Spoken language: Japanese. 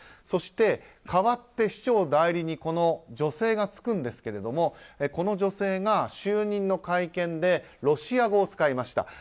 そして代わって市長代理に女性がつくんですがこの女性、就任の会見でロシア語を使いました。